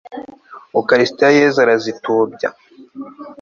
ukarisitiya yezu arazitubya